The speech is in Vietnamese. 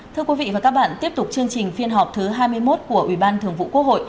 thưa quý vị và các bạn tiếp tục chương trình phiên họp thứ hai mươi một của ubthqh